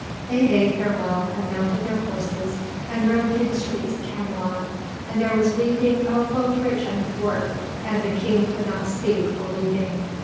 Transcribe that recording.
They bade farewell, and mounted their horses, and rode through the streets of Camelot, and there was weeping of both rich and poor, and the King could not speak for weeping.